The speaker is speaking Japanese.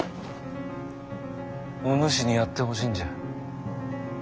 お主にやってほしいんじゃ。